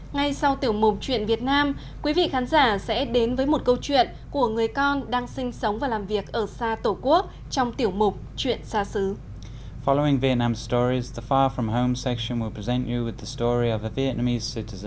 ngay sau tiểu mục chuyện việt nam quý vị khán giả sẽ đến với một câu chuyện của người con đang sinh sống và làm việc ở xa tổ quốc trong tiểu mục chuyện xa xứ